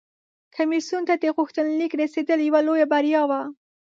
کمیسیون ته د غوښتنلیک رسیدل یوه لویه بریا وه